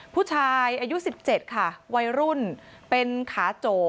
ผู้ชายอายุ๑๗ค่ะวัยรุ่นเป็นขาโจ